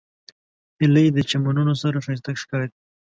هیلۍ د چمنونو سره ښایسته ښکاري